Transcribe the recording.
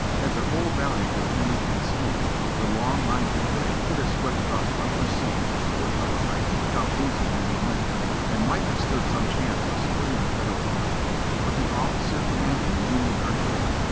Had the whole val ley been wreathed in smoke the long lines of gray could have swept up unperceived to the foot of the heights without losing many men, and might have stood some chance of splitting the Federal line, but the of^cer commanding the Union artillery.